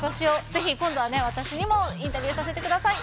ぜひ、今度は私にもインタビューさせてください。